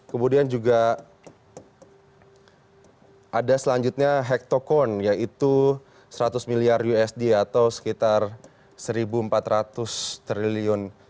kemudian juga ada selanjutnya hektocorn yaitu seratus miliar usd atau sekitar rp satu empat ratus triliun